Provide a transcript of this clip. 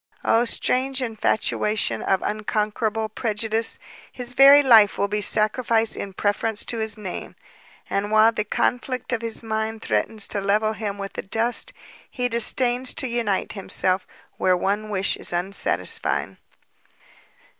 Oh strange infatuation of unconquerable prejudice! his very life will he sacrifice in preference to his name, and while the conflict of his mind threatens to level him with the dust, he disdains to unite himself where one wish is unsatisfied!"